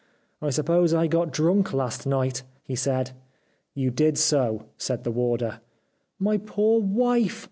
' I suppose I got drunk last night ?' he said. ' You did so,' said the warder. ' My poor wife !